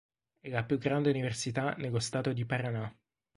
È la più grande università nello stato di Paraná.